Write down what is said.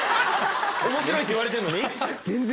面白いって言われてんのに？